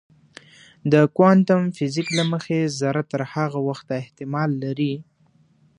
د کوانتم فزیک له مخې ذره تر هغه وخته احتمال لري.